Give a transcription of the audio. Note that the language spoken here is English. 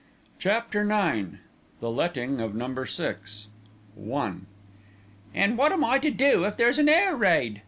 CHAPTER IX THE LETTING OF NUMBER SIX I "An' what am I to do if there's an air raid?"